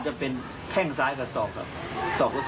เตรียมป้องกันแชมป์ที่ไทยรัฐไฟล์นี้โดยเฉพาะ